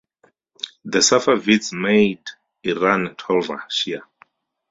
The Safavids made Iran Twelver Shia.